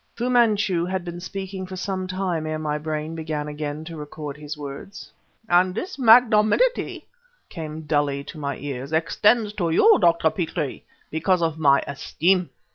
Fu Manchu had been speaking for some time ere my brain began again to record his words. " and this magnanimity," came dully to my ears, "extends to you, Dr. Petrie, because of my esteem.